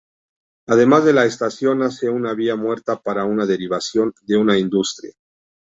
Además, de la estación nace una vía muerta para una derivación de una industria.